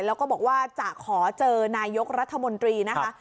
แล้วก็บอกว่าจะขอเจอนายกรัฐมนตรีนะคะ